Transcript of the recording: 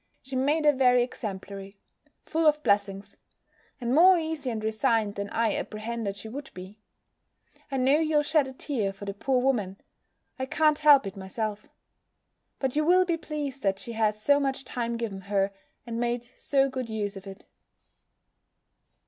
She made a very exemplary Full of blessings And more easy and resigned, than I apprehended she would be. I know you'll shed a tear for the poor woman: I can't help it myself. But you will be pleased that she had so much time given her, and made so good use of it.